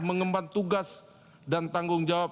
mengemban tugas dan tanggung jawab